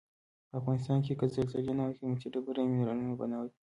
په افغنستان کې که زلزلې نه وای قیمتي ډبرې او منرالونه به نه وای.